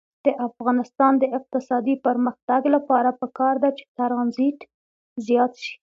د افغانستان د اقتصادي پرمختګ لپاره پکار ده چې ترانزیت زیات شي.